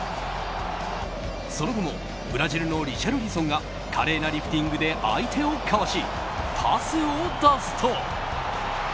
その後もブラジルのリシャルリソンが華麗なリフティングで相手をかわしパスを出すと。